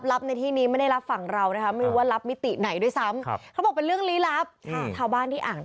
รับในทีไม่ได้รับฝั่งเราไม่รับมิติไหนด้วยซ้ำ